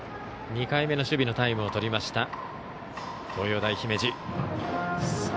２回目の守備のタイムをとりました